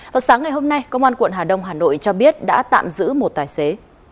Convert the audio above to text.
vào sáng ngày hôm nay công an quận hà đông hà nội cho biết đã tạm giữ một tài xế